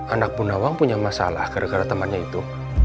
anak bunda wang punya masalah gara gara temannya itu